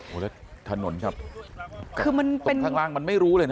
โอ้แล้วถนนครับตรงทางล่างมันไม่รู้เลยนะ